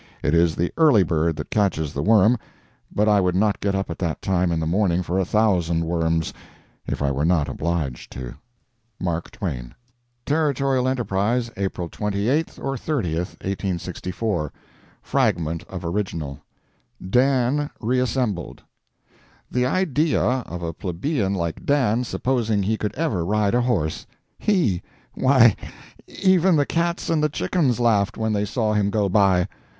It is the early bird that catches the worm, but I would not get up at that time in the morning for a thousand worms, if I were not obliged to. MARK TWAIN Territorial Enterprise, April 28 or 30, 1864 [fragment of original] DAN REASSEMBLED The idea of a plebeian like Dan supposing he could ever ride a horse! He! why, even the cats and the chickens laughed when they saw him go by.